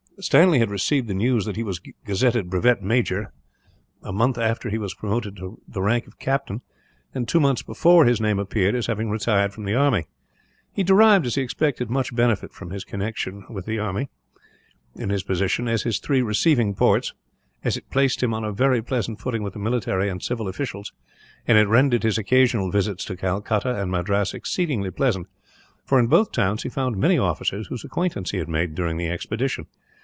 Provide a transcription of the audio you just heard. Stanley had received the news that he was gazetted brevet major, a month after he was promoted to the rank of captain, and two months before his name appeared as having retired from the army. He derived, as he expected, much benefit from his connection with the army in his position at his three receiving ports, as it placed him on a very pleasant footing with the military and civil officials; and it rendered his occasional visits to Calcutta and Madras exceedingly pleasant, for in both towns he found many officers whose acquaintance he had made, during the expedition.